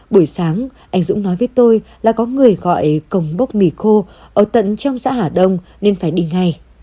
buổi sáng anh dũng nói với tôi là có người gọi cổng bốc mì khô ở tận trong xã hà đông nên phải đi ngay